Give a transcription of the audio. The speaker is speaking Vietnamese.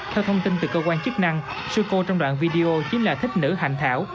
theo thông tin từ cơ quan chức năng sư cô trong đoạn video chính là thích nữ hành thảo